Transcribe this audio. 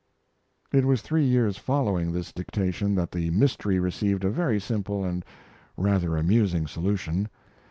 It was three years following this dictation that the mystery received a very simple and rather amusing solution.